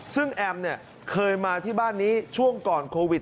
ซึ่งแอมเคยมาที่บ้านนี้ช่วงก่อนโควิด